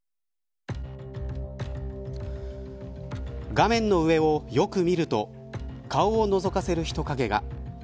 画面の上をよく見ると顔をのぞかせる人影が。